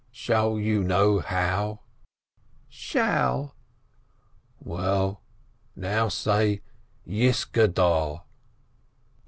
"Shall you know how?" "Shall 1" "Well, now, say : Yisgaddal."